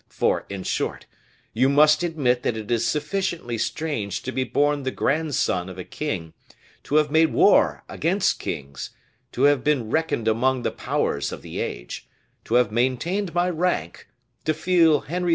For, in short, you must admit that it is sufficiently strange to be born the grandson of a king, to have made war against kings, to have been reckoned among the powers of the age, to have maintained my rank, to feel Henry IV.